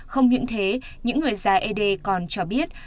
không những thế những người già ế đê còn cho biết